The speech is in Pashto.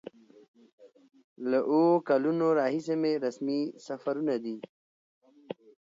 له اوو کلونو راهیسې مې رسمي سفرونه دي.